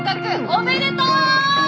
おめでとう！